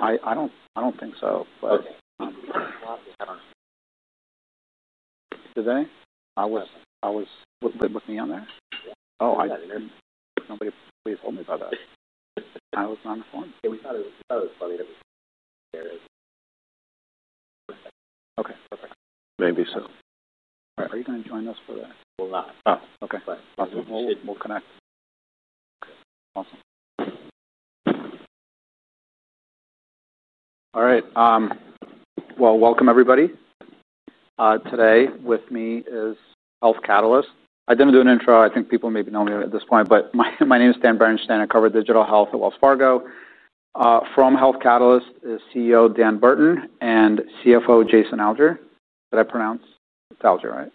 I don't think so, but. I'm glad they are. Did they? I was with the young man. Oh, I didn't hear. Nobody told me about that. I was not informed. I thought it was flooded up. There it is. Okay. Okay. Maybe so. All right. Are you going to join us for the? We'll not. Oh, okay. We'll connect. All right. Welcome, everybody. Today with me is Health Catalyst. I didn't do an intro. I think people maybe know me at this point, but my name is Dan Bernstein. I cover digital health at Wells Fargo. From Health Catalyst is CEO Dan Burton and CFO Jason Alger. Did I pronounce? It's Alger, right?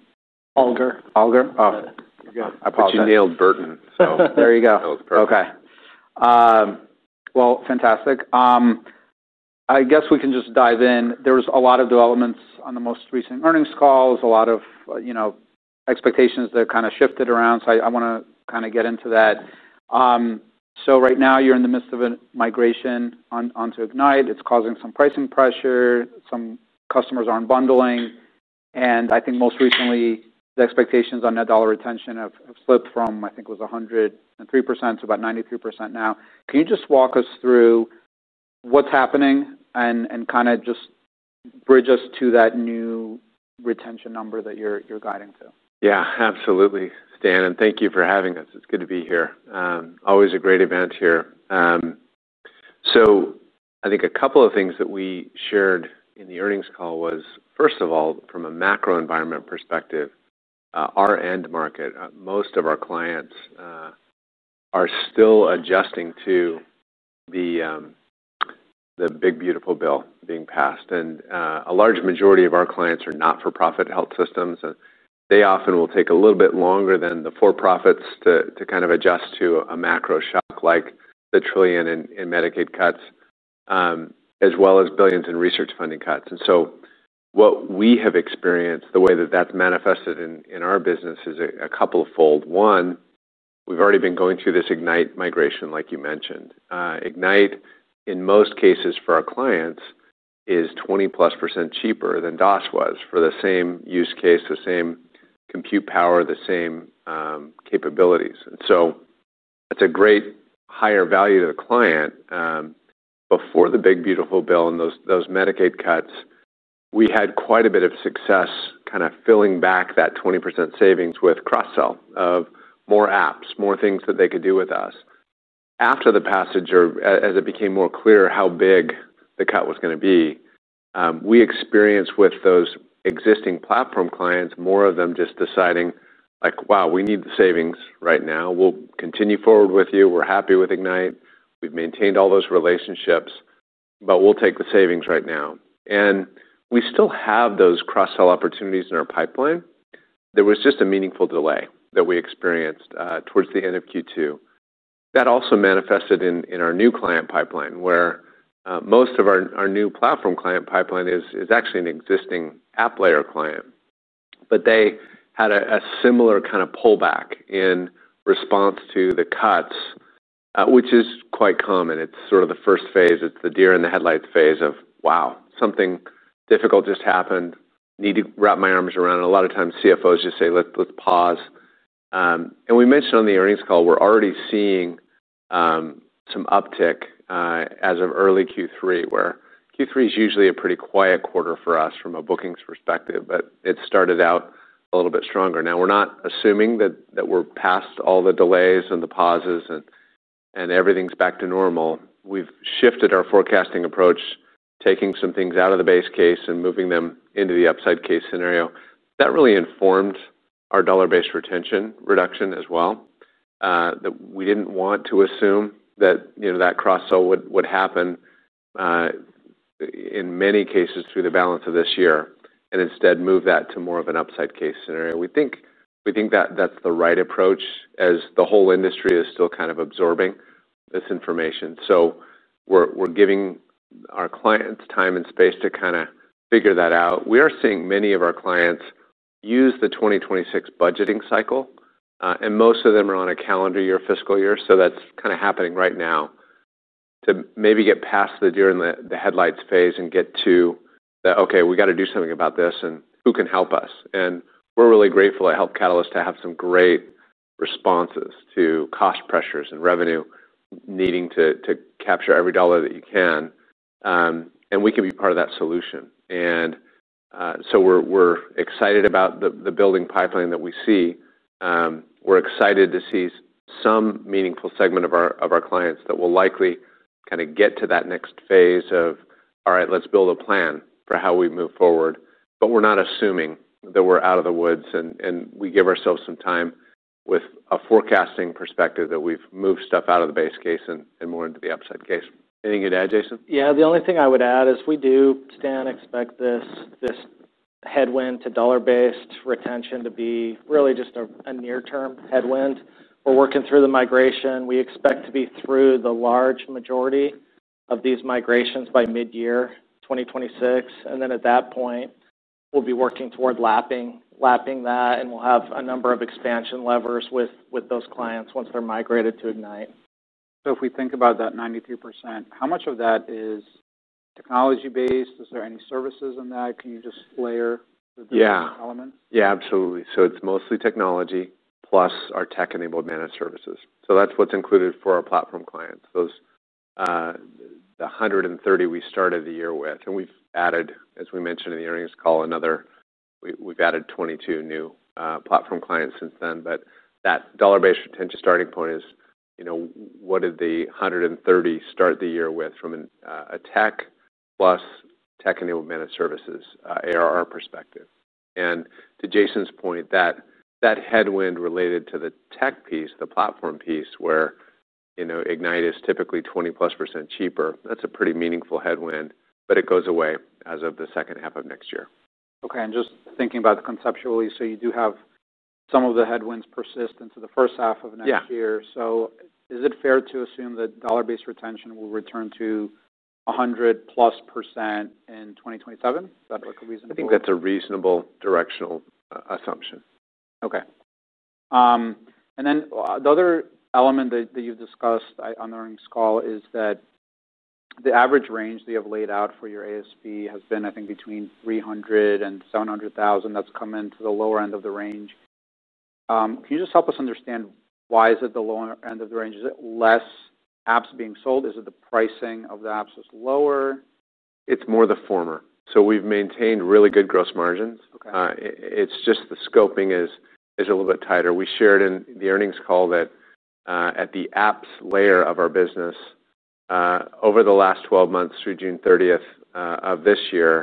Alger. Alger? Oh. You got it. I apologize. You nailed Burton, so. There you go. That was perfect. Okay. Fantastic. I guess we can just dive in. There were a lot of developments on the most recent earnings calls, a lot of, you know, expectations that kind of shifted around. I want to kind of get into that. Right now you're in the midst of a migration onto Egnyte. It's causing some pricing pressure. Some customers aren't bundling. I think most recently the expectations on net dollar retention have slipped from, I think it was 103% to about 93% now. Can you just walk us through what's happening and kind of just bridge us to that new retention number that you're guiding to? Yeah, absolutely, Dan. Thank you for having us. It's good to be here. Always a great event here. I think a couple of things that we shared in the earnings call was, first of all, from a macro environment perspective, our end market, most of our clients, are still adjusting to the big, beautiful bill being passed. A large majority of our clients are not-for-profit health systems. They often will take a little bit longer than the for-profits to kind of adjust to a macro shock like the trillion in Medicaid cuts, as well as billions in research funding cuts. What we have experienced, the way that that's manifested in our business is a couple of fold. We've already been going through this Egnyte migration, like you mentioned. Egnyte, in most cases for our clients, is 20+% cheaper than DOS was for the same use case, the same compute power, the same capabilities. It's a great higher value to the client. Before the big, beautiful bill and those Medicaid cuts, we had quite a bit of success filling back that 20% savings with cross-sell of more apps, more things that they could do with us. After the passage or as it became more clear how big the cut was going to be, we experienced with those existing platform clients, more of them just deciding like, "Wow, we need the savings right now. We'll continue forward with you. We're happy with Egnyte. We've maintained all those relationships, but we'll take the savings right now." We still have those cross-sell opportunities in our pipeline. There was just a meaningful delay that we experienced towards the end of Q2. That also manifested in our new client pipeline where most of our new platform client pipeline is actually an existing apps layer client. They had a similar kind of pullback in response to the cuts, which is quite common. It's sort of the first phase. It's the deer in the headlights phase of, "Wow, something difficult just happened. Need to wrap my arms around." A lot of times CFOs just say, "Let's pause." We mentioned on the earnings call we're already seeing some uptick, as of early Q3, where Q3 is usually a pretty quiet quarter for us from a bookings perspective, but it started out a little bit stronger. Now we're not assuming that we're past all the delays and the pauses and everything's back to normal. We've shifted our forecasting approach, taking some things out of the base case and moving them into the upside case scenario. That really informed our dollar-based retention reduction as well, that we didn't want to assume that cross-sell would happen in many cases through the balance of this year and instead move that to more of an upside case scenario. We think that's the right approach as the whole industry is still kind of absorbing this information. We're giving our clients time and space to kind of figure that out. We are seeing many of our clients use the 2026 budgeting cycle, and most of them are on a calendar year, fiscal year, so that's kind of happening right now to maybe get past the deer in the headlights phase and get to the, "Okay, we gotta do something about this, and who can help us?" We're really grateful at Health Catalyst to have some great responses to cost pressures and revenue needing to capture every dollar that you can, and we can be part of that solution. We're excited about the building pipeline that we see. We're excited to see some meaningful segment of our clients that will likely kind of get to that next phase of, "All right, let's build a plan for how we move forward." We're not assuming that we're out of the woods and we give ourselves some time with a forecasting perspective that we've moved stuff out of the base case and more into the upside case. Anything you'd add, Jason? The only thing I would add is we do, Dan, expect this headwind to dollar-based retention to be really just a near-term headwind. We're working through the migration. We expect to be through the large majority of these migrations by mid-year 2026. At that point, we'll be working toward lapping that, and we'll have a number of expansion levers with those clients once they're migrated to Egnyte. If we think about that 93%, how much of that is technology-based? Is there any services in that? Can you just layer the. Business element? Yeah, absolutely. It's mostly technology plus our tech-enabled managed services. That's what's included for our platform clients, those, the 130 we started the year with, and we've added, as we mentioned in the earnings call, another 22 new platform clients since then. That dollar-based retention starting point is, you know, what did the 130 start the year with from a tech plus tech-enabled managed services ARR perspective. To Jason's point, that headwind related to the tech piece, the platform piece, where Egnyte is typically 20+% cheaper, that's a pretty meaningful headwind, but it goes away as of the second half of next year. Okay, just thinking about conceptually, you do have some of the headwinds persist into the first half of next year. Yeah. Is it fair to assume that dollar-based retention will return to 100+% in 2027? Is that reasonable? I think that's a reasonable directional assumption. Okay, and then the other element that you've discussed on the earnings call is that the average range that you have laid out for your ASB has been, I think, between $300,000 and $700,000. That's come into the lower end of the range. Can you just help us understand why is it the lower end of the range? Is it less apps being sold? Is it the pricing of the apps is lower? It's more the former. We've maintained really good gross margins. Okay. It's just the scoping is a little bit tighter. We shared in the earnings call that, at the apps layer of our business, over the last 12 months through June 30th, 2023,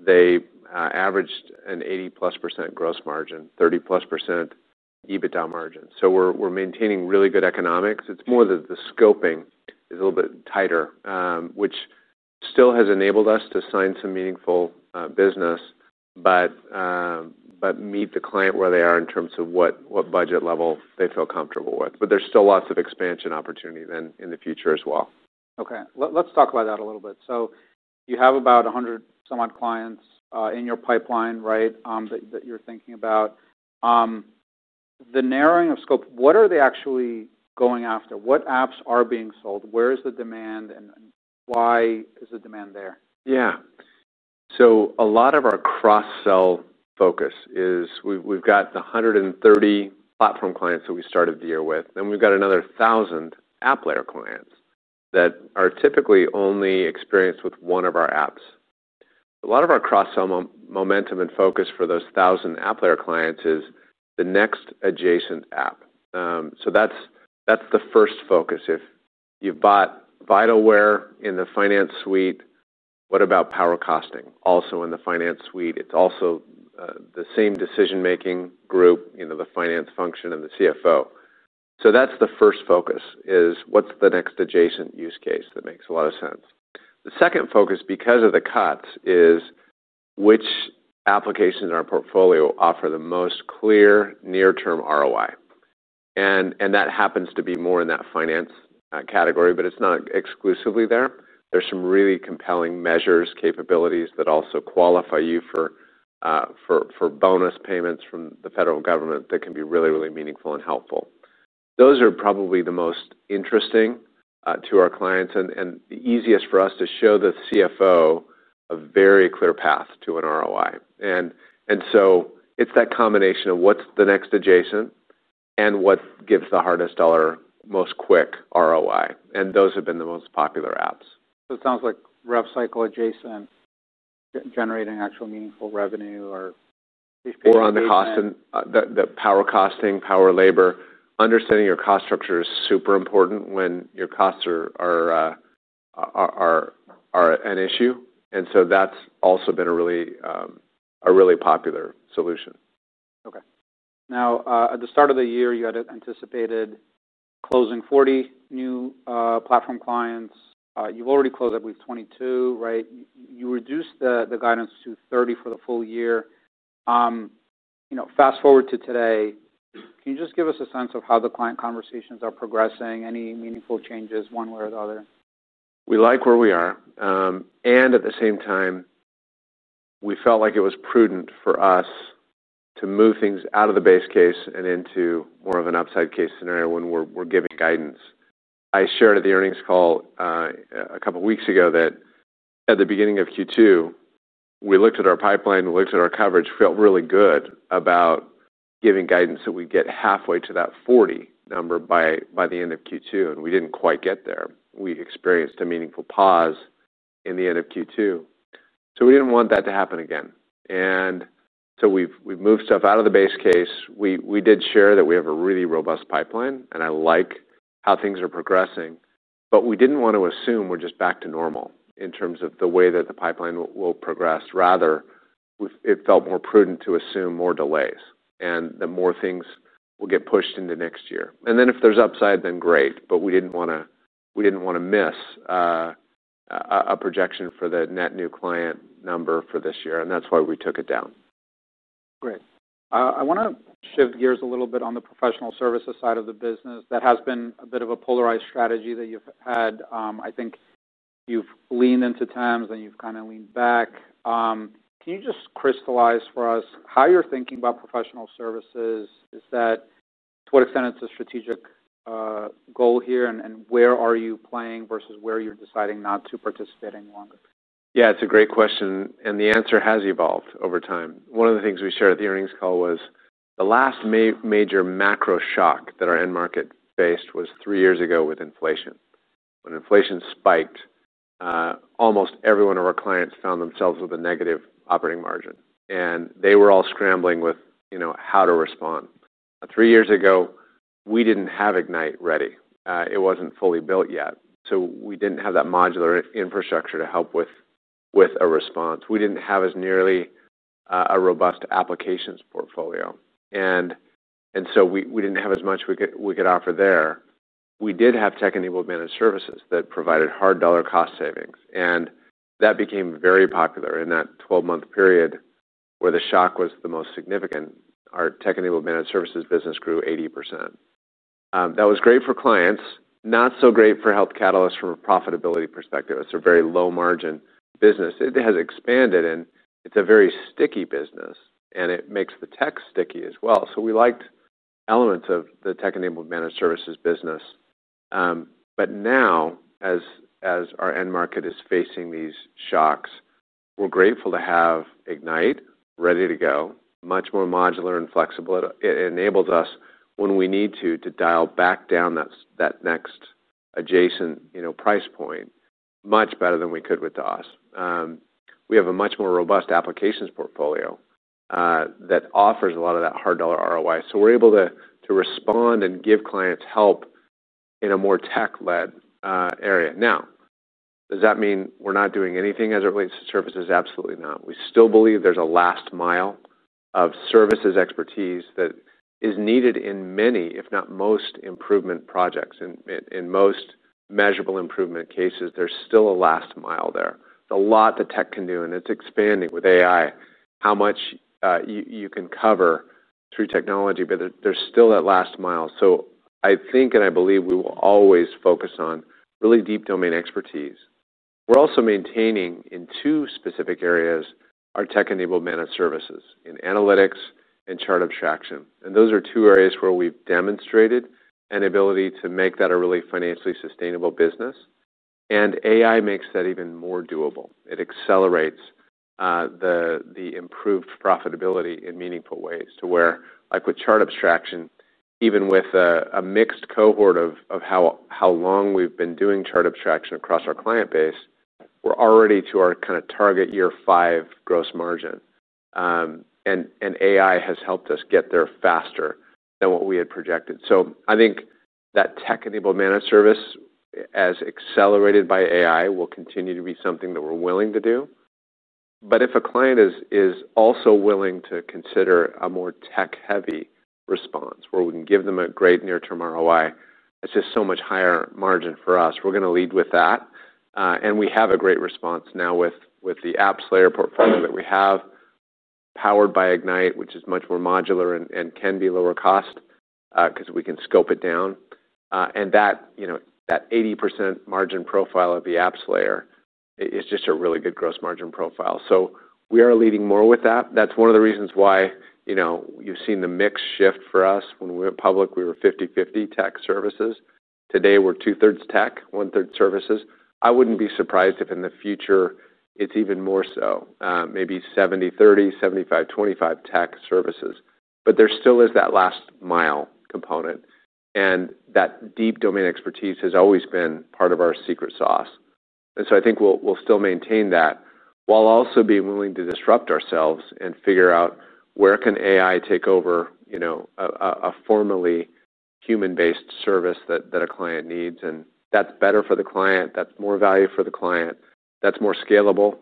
they averaged an 80+% gross margin, 30+% EBITDA margin. We're maintaining really good economics. It's more that the scoping is a little bit tighter, which still has enabled us to sign some meaningful business, but meet the client where they are in terms of what budget level they feel comfortable with. There's still lots of expansion opportunity then in the future as well. Okay. Let's talk about that a little bit. You have about 100-some-odd clients in your pipeline, right, that you're thinking about. The narrowing of scope, what are they actually going after? What apps are being sold? Where is the demand and why is the demand there? Yeah. A lot of our cross-sell focus is we've got the 130 platform clients that we started the year with, and we've got another 1,000 apps layer clients that are typically only experienced with one of our apps. A lot of our cross-sell momentum and focus for those 1,000 apps layer clients is the next adjacent app. That's the first focus. If you've bought Vitalware in the finance suite, what about PowerCosting also in the finance suite? It's also the same decision-making group, you know, the finance function and the CFO. The first focus is what's the next adjacent use case that makes a lot of sense. The second focus, because of the cuts, is which applications in our portfolio offer the most clear near-term ROI. That happens to be more in that finance category, but it's not exclusively there. There are some really compelling measures capabilities that also qualify you for bonus payments from the federal government that can be really, really meaningful and helpful. Those are probably the most interesting to our clients and the easiest for us to show the CFO a very clear path to an ROI. It's that combination of what's the next adjacent and what gives the hardest dollar most quick ROI. Those have been the most popular apps. It sounds like rev cycle adjacent, generating actual meaningful revenue or. On the cost and the PowerCosting, power labor. Understanding your cost structure is super important when your costs are an issue. That's also been a really popular solution. Okay. Now, at the start of the year, you had anticipated closing 40 new platform clients. You've already closed at least 22, right? You reduced the guidance to 30 for the full year. Fast forward to today. Can you just give us a sense of how the client conversations are progressing? Any meaningful changes one way or the other? We like where we are, and at the same time, we felt like it was prudent for us to move things out of the base case and into more of an upside case scenario when we're giving guidance. I shared at the earnings call a couple of weeks ago that at the beginning of Q2, we looked at our pipeline, we looked at our coverage, felt really good about giving guidance that we get halfway to that 40 number by the end of Q2. We didn't quite get there. We experienced a meaningful pause in the end of Q2. We didn't want that to happen again, and we've moved stuff out of the base case. We did share that we have a really robust pipeline, and I like how things are progressing, but we didn't want to assume we're just back to normal in terms of the way that the pipeline will progress. Rather, it felt more prudent to assume more delays and that more things will get pushed into next year. If there's upside, then great. We didn't want to miss a projection for the net new client number for this year, and that's why we took it down. Great. I want to shift gears a little bit on the professional services side of the business. That has been a bit of a polarized strategy that you've had. I think you've leaned into TEMS, and you've kind of leaned back. Can you just crystallize for us how you're thinking about professional services? To what extent is it a strategic goal here, and where are you playing versus where you're deciding not to participate any longer? Yeah, it's a great question. The answer has evolved over time. One of the things we shared at the earnings call was the last major macro shock that our end market faced was three years ago with inflation. When inflation spiked, almost every one of our clients found themselves with a negative operating margin. They were all scrambling with how to respond. Three years ago, we didn't have Egnyte ready. It wasn't fully built yet. We didn't have that modular infrastructure to help with a response. We didn't have as nearly a robust applications portfolio, and we didn't have as much we could offer there. We did have tech-enabled managed services that provided hard dollar cost savings. That became very popular in that 12-month period where the shock was the most significant. Our tech-enabled managed services business grew 80%. That was great for clients, not so great for Health Catalyst from a profitability perspective. It's a very low-margin business. It has expanded, and it's a very sticky business, and it makes the tech sticky as well. We liked elements of the tech-enabled managed services business. Now, as our end market is facing these shocks, we're grateful to have Egnyte ready to go, much more modular and flexible. It enables us when we need to, to dial back down that next adjacent price point much better than we could with DOS. We have a much more robust applications portfolio that offers a lot of that hard dollar ROI. We're able to respond and give clients help in a more tech-led area. Does that mean we're not doing anything as it relates to services? Absolutely not. We still believe there's a last mile of services expertise that is needed in many, if not most, improvement projects. In most measurable improvement cases, there's still a last mile there. A lot the tech can do, and it's expanding with AI, how much you can cover through technology, but there's still that last mile. I think and I believe we will always focus on really deep domain expertise. We're also maintaining in two specific areas our tech-enabled managed services in analytics and chart abstraction. Those are two areas where we've demonstrated an ability to make that a really financially sustainable business. AI makes that even more doable. It accelerates the improved profitability in meaningful ways to where, like with chart abstraction, even with a mixed cohort of how long we've been doing chart abstraction across our client base, we're already to our kind of target year five gross margin, and AI has helped us get there faster than what we had projected. I think that tech-enabled managed service, as accelerated by AI, will continue to be something that we're willing to do. If a client is also willing to consider a more tech-heavy response where we can give them a great near-term ROI, it's just so much higher margin for us. We are going to lead with that. We have a great response now with the apps layer portfolio that we have powered by Egnyte, which is much more modular and can be lower cost, because we can scope it down. That 80% margin profile of the apps layer is just a really good gross margin profile. We are leading more with that. That's one of the reasons why you've seen the mix shift for us. When we went public, we were 50/50 tech services. Today we're 2/3 tech, 1/3 services. I wouldn't be surprised if in the future it's even more so, maybe 70/30, 75/25 tech services. There still is that last mile component. That deep domain expertise has always been part of our secret sauce. I think we'll still maintain that while also being willing to disrupt ourselves and figure out where can AI take over a formally human-based service that a client needs. That's better for the client. That's more value for the client. That's more scalable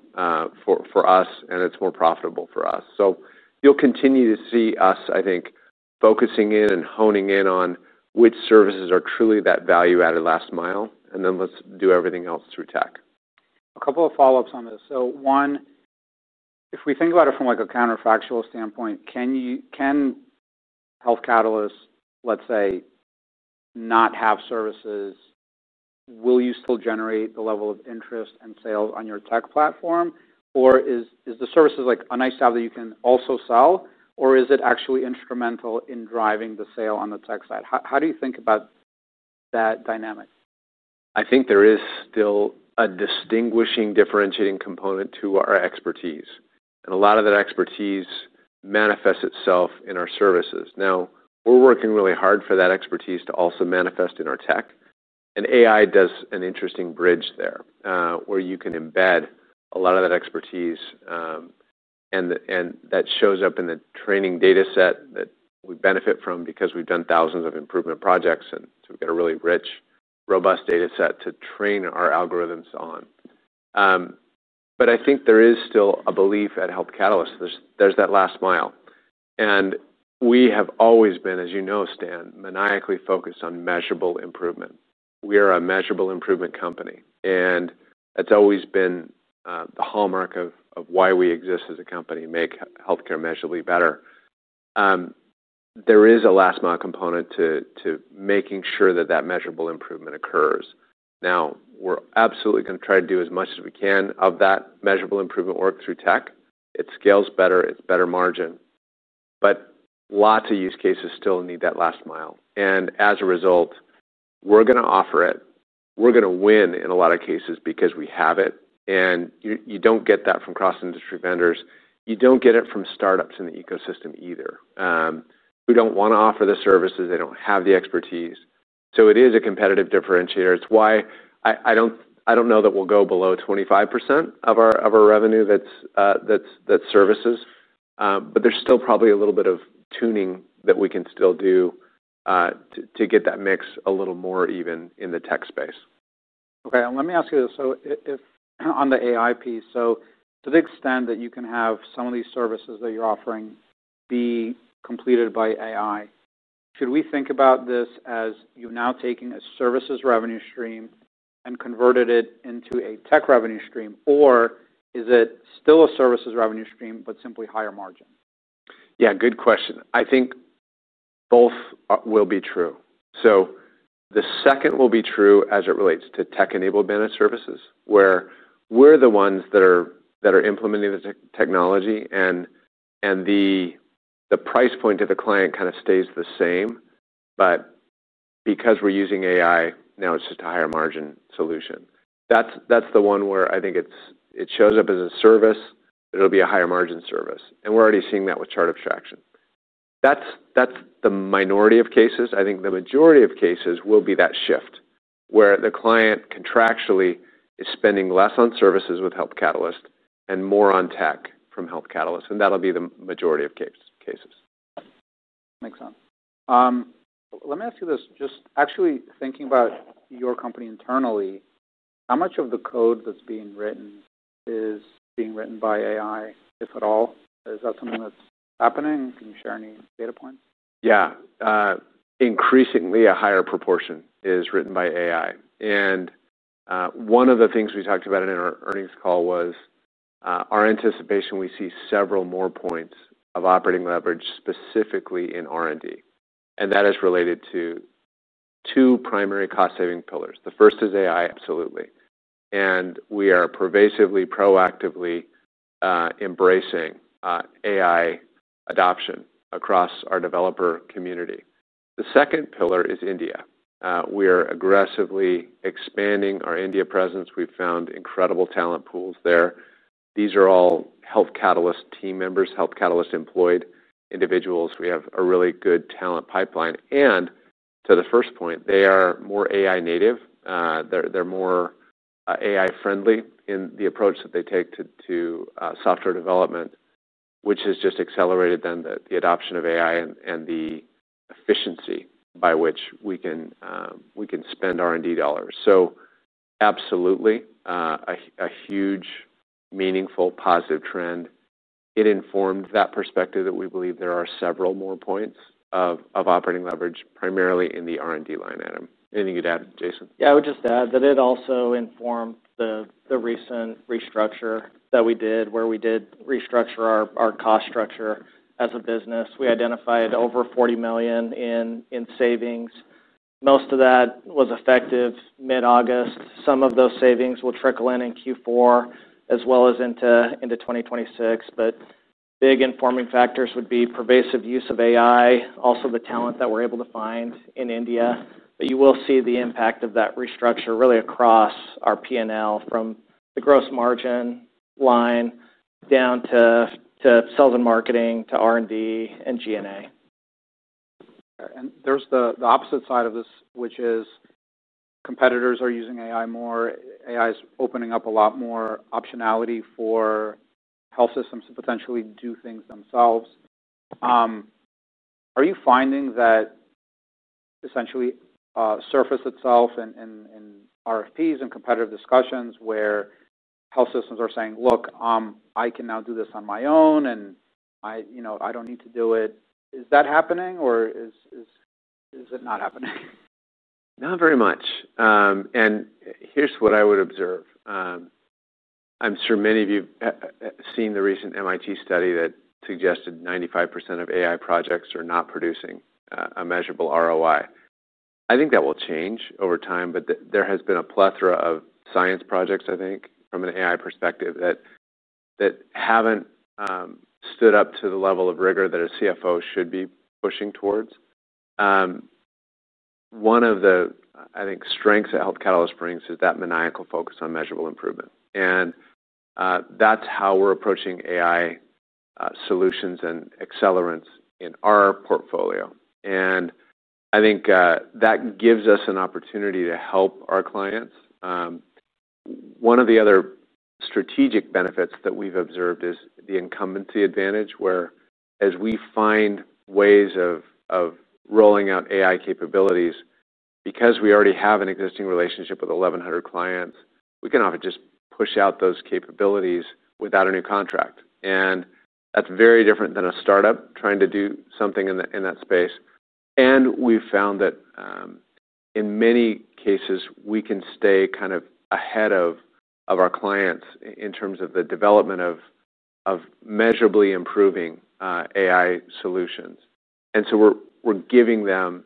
for us, and it's more profitable for us. You'll continue to see us, I think, focusing in and honing in on which services are truly that value-added last mile. Then let's do everything else through tech. A couple of follow-ups on this. If we think about it from a counterfactual standpoint, can Health Catalyst, let's say, not have services, will you still generate the level of interest and sales on your tech platform? Or is the services like a nice job that you can also sell, or is it actually instrumental in driving the sale on the tech side? How do you think about that dynamic? I think there is still a distinguishing, differentiating component to our expertise. A lot of that expertise manifests itself in our services. Now, we're working really hard for that expertise to also manifest in our tech. AI does an interesting bridge there, where you can embed a lot of that expertise, and that shows up in the training dataset that we benefit from because we've done thousands of improvement projects. We have a really rich, robust dataset to train our algorithms on. I think there is still a belief at Health Catalyst. There is that last mile. We have always been, as you know, Dan, maniacally focused on measurable improvement. We are a measurable improvement company. That's always been the hallmark of why we exist as a company, make healthcare measurably better. There is a last-mile component to making sure that measurable improvement occurs. Now, we're absolutely going to try to do as much as we can of that measurable improvement work through tech. It scales better. It's better margin. Lots of use cases still need that last mile. As a result, we're going to offer it. We're going to win in a lot of cases because we have it. You don't get that from cross-industry vendors. You don't get it from startups in the ecosystem either. We don't want to offer the services. They don't have the expertise. It is a competitive differentiator. It's why I don't know that we'll go below 25% of our revenue that's services. There's still probably a little bit of tuning that we can still do to get that mix a little more even in the tech space. Okay. Let me ask you this. If, on the AI piece, to the extent that you can have some of these services that you're offering be completed by AI, should we think about this as you now taking a services revenue stream and converting it into a tech revenue stream, or is it still a services revenue stream but simply higher margin? Yeah, good question. I think both will be true. The second will be true as it relates to tech-enabled managed services where we're the ones that are implementing the technology, and the price point to the client kind of stays the same. Because we're using AI, now it's just a higher margin solution. That's the one where I think it shows up as a service, but it'll be a higher margin service. We're already seeing that with chart abstraction. That's the minority of cases. I think the majority of cases will be that shift where the client contractually is spending less on services with Health Catalyst and more on tech from Health Catalyst. That'll be the majority of cases. Makes sense. Let me ask you this. Just actually thinking about your company internally, how much of the code that's being written is being written by AI, if at all? Is that something that's happening? Can you share any data points? Yeah. Increasingly, a higher proportion is written by AI. One of the things we talked about in our earnings call was our anticipation we see several more points of operating leverage specifically in R&D. That is related to two primary cost-saving pillars. The first is AI, absolutely. We are pervasively, proactively embracing AI adoption across our developer community. The second pillar is India. We are aggressively expanding our India presence. We've found incredible talent pools there. These are all Health Catalyst team members, Health Catalyst-employed individuals. We have a really good talent pipeline. To the first point, they are more AI native. They're more AI friendly in the approach that they take to software development, which has just accelerated the adoption of AI and the efficiency by which we can spend R&D dollars. Absolutely, a huge, meaningful, positive trend. It informed that perspective that we believe there are several more points of operating leverage primarily in the R&D line. Adam, anything you'd add, Jason? I would just add that it also informed the recent restructure that we did where we did restructure our cost structure as a business. We identified over $40 million in savings. Most of that was effective mid-August. Some of those savings will trickle in in Q4 as well as into 2026. Big informing factors would be pervasive use of AI, also the talent that we're able to find in India. You will see the impact of that restructure really across our P&L from the gross margin line down to sales and marketing, to R&D, and G&A. There's the opposite side of this, which is competitors are using AI more. AI is opening up a lot more optionality for health systems to potentially do things themselves. Are you finding that essentially surface itself in RFPs and competitive discussions where health systems are saying, "Look, I can now do this on my own, and I, you know, I don't need to do it"? Is that happening or is it not happening? Not very much. Here's what I would observe. I'm sure many of you have seen the recent MIT study that suggested 95% of AI projects are not producing a measurable ROI. I think that will change over time, but there has been a plethora of science projects, I think, from an AI perspective that haven't stood up to the level of rigor that a CFO should be pushing towards. One of the strengths that Health Catalyst brings is that maniacal focus on measurable improvement. That's how we're approaching AI, solutions and accelerants in our portfolio. I think that gives us an opportunity to help our clients. One of the other strategic benefits that we've observed is the incumbency advantage where, as we find ways of rolling out AI capabilities, because we already have an existing relationship with 1,100 clients, we can often just push out those capabilities without a new contract. That's very different than a startup trying to do something in that space. We've found that, in many cases, we can stay kind of ahead of our clients in terms of the development of measurably improving AI solutions. We're giving them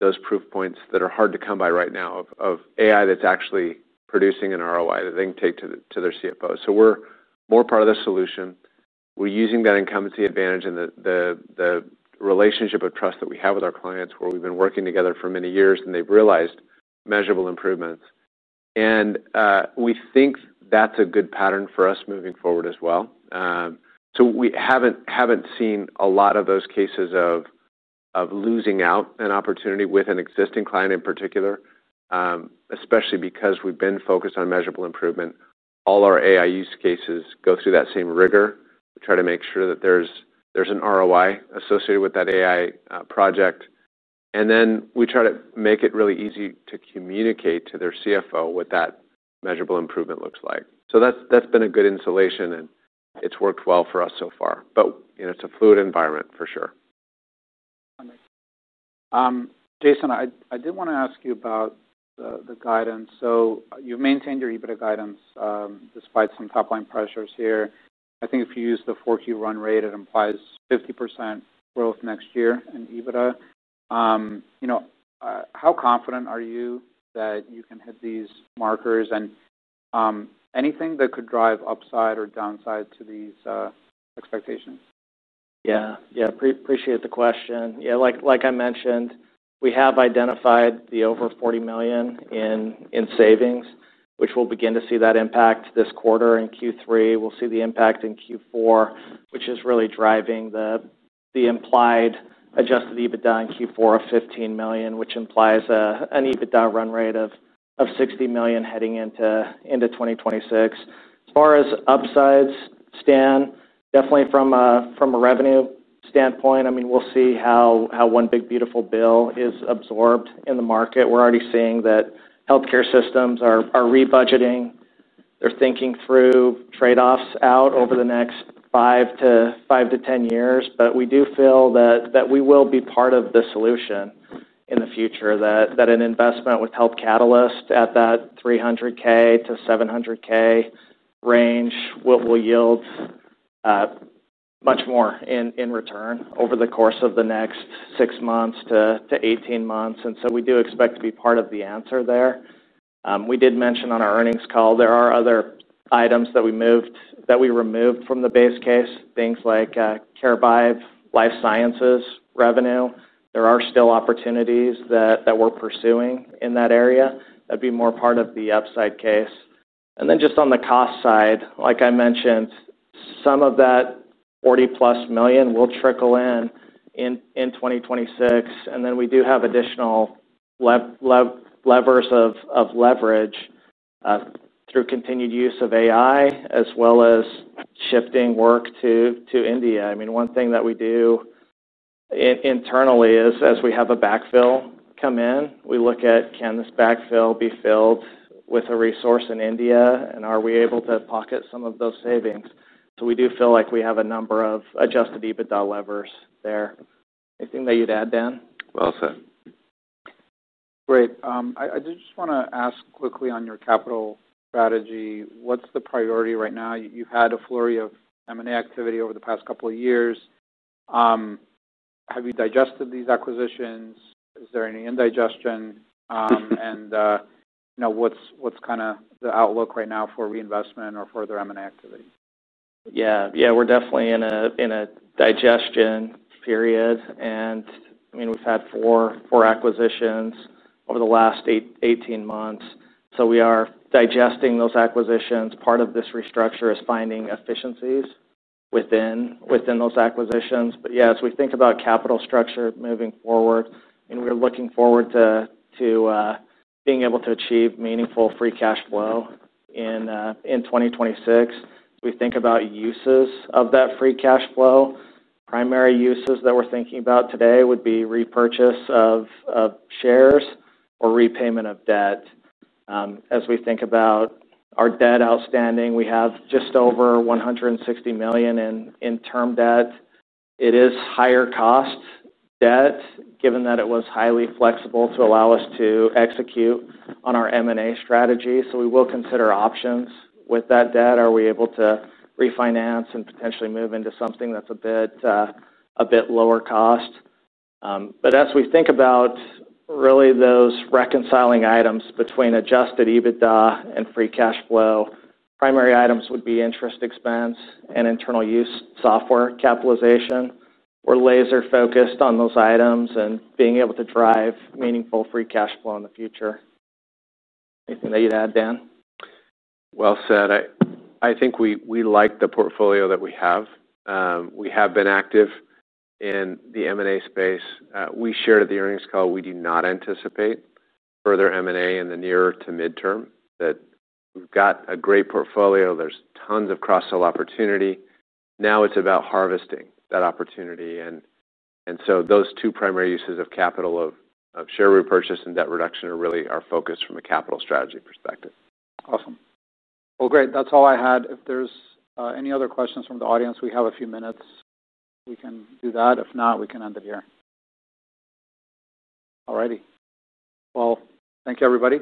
those proof points that are hard to come by right now of AI that's actually producing an ROI that they can take to their CFO. We're more part of the solution. We're using that incumbency advantage and the relationship of trust that we have with our clients where we've been working together for many years, and they've realized measurable improvements. We think that's a good pattern for us moving forward as well. We haven't seen a lot of those cases of losing out an opportunity with an existing client in particular, especially because we've been focused on measurable improvement. All our AI use cases go through that same rigor. We try to make sure that there's an ROI associated with that AI project. We try to make it really easy to communicate to their CFO what that measurable improvement looks like. That's been a good insulation, and it's worked well for us so far. It's a fluid environment for sure. That makes sense. Jason, I did want to ask you about the guidance. You've maintained your EBITDA guidance, despite some top-line pressures here. I think if you use the Q4 run rate, it implies 50% growth next year in EBITDA. You know, how confident are you that you can hit these markers, and anything that could drive upside or downside to these expectations? Yeah, I appreciate the question. Like I mentioned, we have identified the over $40 million in savings, which we'll begin to see that impact this quarter in Q3. We'll see the impact in Q4, which is really driving the implied adjusted EBITDA in Q4 of $15 million, which implies an EBITDA run rate of $60 million heading into 2026. As far as upsides, stan, definitely from a revenue standpoint, we'll see how one big, beautiful bill is absorbed in the market. We're already seeing that healthcare systems are re-budgeting. They're thinking through trade-offs out over the next five years to 10 years. We do feel that we will be part of the solution in the future, that an investment with Health Catalyst at that $300,000- $700,000 range will yield much more in return over the course of the next six months to 18 months. We do expect to be part of the answer there. We did mention on our earnings call there are other items that we removed from the base case, things like CareVive life sciences revenue. There are still opportunities that we're pursuing in that area. That'd be more part of the upside case. On the cost side, like I mentioned, some of that $40+ million will trickle in in 2026. We do have additional levers of leverage through continued use of AI as well as shifting work to India. One thing that we do internally is as we have a backfill come in, we look at can this backfill be filled with a resource in India, and are we able to pocket some of those savings? We do feel like we have a number of adjusted EBITDA levers there. Anything that you'd add, Dan? Well said. Great. I do just want to ask quickly on your capital strategy. What's the priority right now? You've had a flurry of M&A activity over the past couple of years. Have you digested these acquisitions? Is there any indigestion? Now, what's kind of the outlook right now for reinvestment or further M&A activities? Yeah, we're definitely in a digestion period. We've had four acquisitions over the last 18 months. We are digesting those acquisitions. Part of this restructure is finding efficiencies within those acquisitions. As we think about capital structure moving forward, we're looking forward to being able to achieve meaningful free cash flow in 2026. We think about uses of that free cash flow. Primary uses that we're thinking about today would be repurchase of shares or repayment of debt. As we think about our debt outstanding, we have just over $160 million in term debt. It is higher cost debt given that it was highly flexible to allow us to execute on our M&A strategy. We will consider options with that debt. Are we able to refinance and potentially move into something that's a bit lower cost? As we think about really those reconciling items between adjusted EBITDA and free cash flow, primary items would be interest expense and internal use software capitalization. We're laser-focused on those items and being able to drive meaningful free cash flow in the future. Anything that you'd add, Dan? Well said. I think we like the portfolio that we have. We have been active in the M&A space. We shared at the earnings call we do not anticipate further M&A in the near to mid-term. We've got a great portfolio. There's tons of cross-sell opportunity. Now it's about harvesting that opportunity. Those two primary uses of capital of share repurchase and debt reduction are really our focus from a capital strategy perspective. Awesome. Great. That's all I had. If there's any other questions from the audience, we have a few minutes. We can do that. If not, we can end it here. All righty. Thank you, everybody.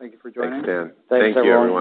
Thank you for joining. Thanks, Dan. Thanks, everyone.